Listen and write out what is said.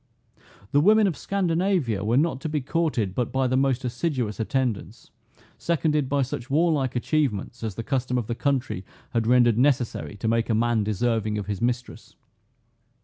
The women of Scandinavia were not to be courted but by the most assiduous attendance, seconded by such warlike achievements as the custom of the country had rendered necessary to make a man deserving of his mistress.